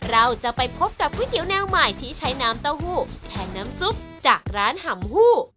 เราจะไปพบกับก๋วยเตี๋ยวแนวใหม่ที่ใช้น้ำเต้าหู้แทนน้ำซุปจากร้านห่ำหู้